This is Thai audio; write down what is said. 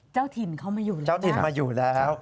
เจ้าถิ่นเขามาอยู่แล้ว